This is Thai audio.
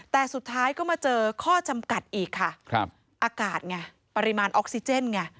แต่สุดท้ายก็มาเจอข้อจำกัดอีกค่ะอากาศไงปริมาณออกซิเจนไง